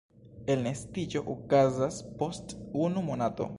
Elnestiĝo okazas post unu monato.